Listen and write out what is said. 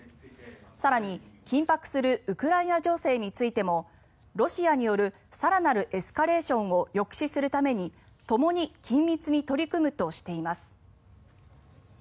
更に、緊迫するウクライナ情勢についてもロシアによる更なるエスカレーションを抑止するためにともに緊密に取り組むとしています。